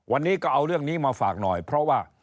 วันนี้ก็เอาเรื่องนี้มาฝากหน่อยเพราะว่า